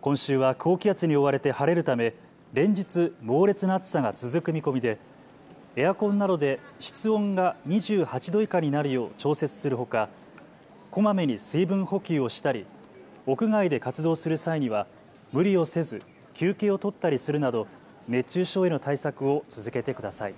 今週は高気圧に覆われて晴れるため連日、猛烈な暑さが続く見込みでエアコンなどで室温が２８度以下になるよう調節するほか、こまめに水分補給をしたり屋外で活動する際には無理をせず休憩を取ったりするなど熱中症への対策を続けてください。